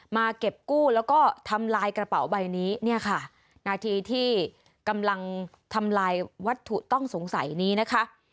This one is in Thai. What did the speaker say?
มาเก็บกู้แล้วก็ทำลายกระเป๋าใบนี้เนี่ยค่ะนาทีที่กำลังทำลายวัตถุต้องสงสัยนี้นะคะ